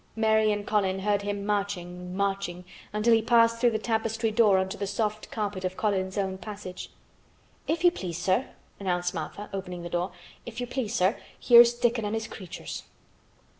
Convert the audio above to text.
Mary and Colin heard him marching—marching, until he passed through the tapestry door on to the soft carpet of Colin's own passage. "If you please, sir," announced Martha, opening the door, "if you please, sir, here's Dickon an' his creatures."